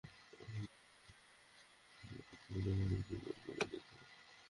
তাঁর অনুমান, তিনি তিন বছর ধরে মাসে দুবার করে সেখানে গেছেন।